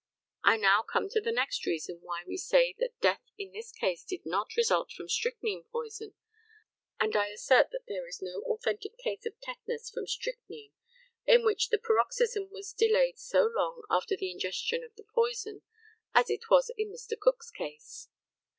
I now come to the next reason why we say that death in this case did not result from strychnine poison; and I assert that there is no authentic case of tetanus from strychnine in which the paroxysm was delayed so long after the ingestion of the poison as it was in Mr. Cook's case.